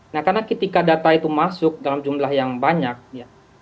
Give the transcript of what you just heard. nah karena ketika data itu masuk dalam jumlah yang banyak ya